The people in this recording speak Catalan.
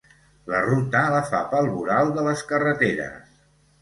La ruta la fa pel voral de les carreteres.